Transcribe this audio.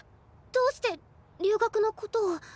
どうして留学のことを。